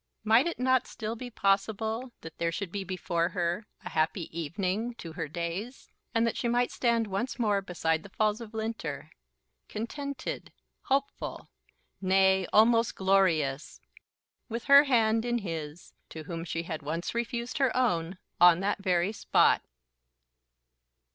Might it not still be possible that there should be before her a happy evening to her days; and that she might stand once more beside the falls of Linter, contented, hopeful, nay, almost glorious, with her hand in his to whom she had once refused her own on that very spot?